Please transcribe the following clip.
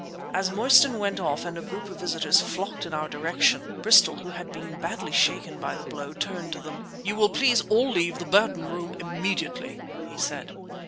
As Mostyn went off, and a group of visitors flocked in our direction, Bristol, who had been badly shaken by the blow, turned to them. "You will please all leave the Burton Room immediately," he said.